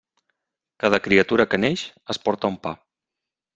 Cada criatura que neix es porta un pa.